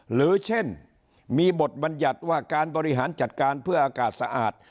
หรือเช่นมีบทบัญญัติว่าการบริหารจัดการเพื่ออากาศสะอาด